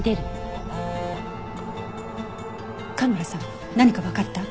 蒲原さん何かわかった？